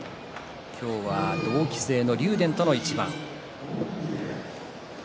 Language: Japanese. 今日は同期生の竜電との一番。